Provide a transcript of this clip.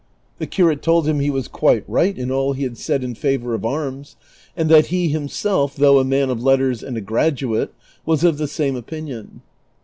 The curate told him he was quite right in all he had said in favor of arms, and that he himself, though a man of letters and a graduate, was of the same opinion.